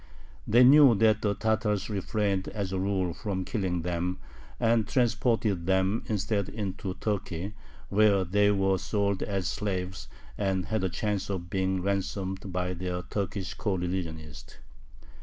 They knew that the Tatars refrained as a rule from killing them, and transported them instead into Turkey, where they were sold as slaves, and had a chance of being ransomed by their Turkish coreligionists.